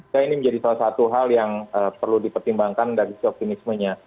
saya ini menjadi salah satu hal yang perlu dipertimbangkan dari sisi optimismenya